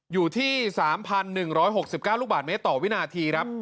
อยู่ที่๓๑๖๙ลูกบาทเมตรต่อวินาทีครับ